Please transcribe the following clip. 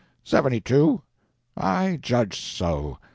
"Seventy two." "I judged so.